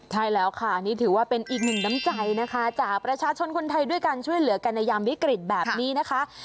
ใช่แล้วค่ะนี่ถือว่าเป็นอีกหนึ่งน้ำใจนะคะจากประชาชนคนไทยด้วยการช่วยเหลือกันในยามวิกฤตแบบนี้นะคะ